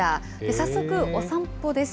早速、お散歩です。